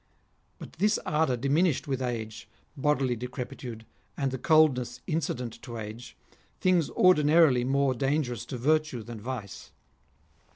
But this ardour diminished with age, bodily decrepitude, and the coldness incident to age, things ordinarily more dangerous to virtue than vice.